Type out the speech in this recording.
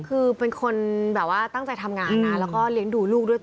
คือเป็นคนแบบว่าตั้งใจทำงานนะแล้วก็เลี้ยงดูลูกด้วย